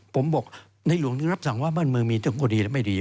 ผมบอกในหลวงได้รับสั่งว่าบ้านเมืองมีทั้งก็ดีและไม่ดี